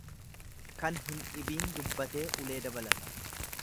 Kan hin dhibiin dubbatee ulee dabalata.